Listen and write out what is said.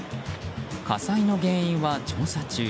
火災の原因は調査中。